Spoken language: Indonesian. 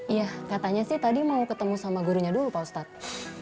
iya katanya sih tadi mau ketemu sama gurunya dulu pak ustadz